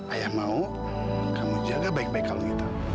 ayah mau kamu jaga baik baik kalung itu